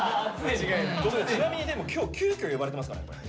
ちなみにでも今日急きょ呼ばれてますからねこれ。